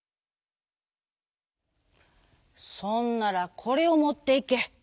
「そんならこれをもっていけ。